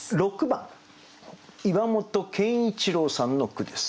６番岩本健一郎さんの句です。